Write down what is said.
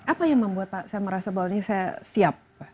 apa yang membuat pak saya merasa bahwa ini saya siap